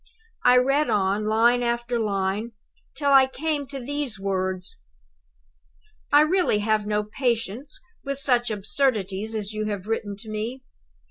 I read on, line after line, till I came to these words: "'...I really have no patience with such absurdities as you have written to me.